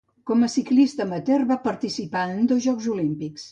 Com a ciclista amateur va participar en dos Jocs Olímpics.